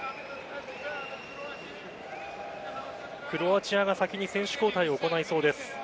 クロアチアが先に選手交代を行いそうです。